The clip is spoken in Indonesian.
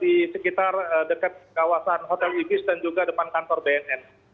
di sekitar dekat kawasan hotel ibis dan juga depan kantor bnn